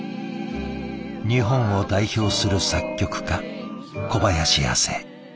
日本を代表する作曲家小林亜星。